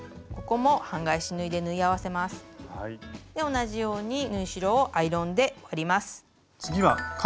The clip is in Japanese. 同じように縫い代をアイロンで割ります。